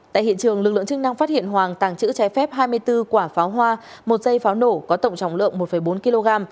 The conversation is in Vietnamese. tại hiện trường lực lượng chức năng phát hiện hoàng tàng trữ trái phép hai mươi bốn quả pháo hoa một dây pháo nổ có tổng trọng lượng một bốn kg